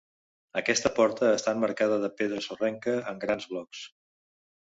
Aquesta porta està emmarcada de pedra sorrenca en grans blocs.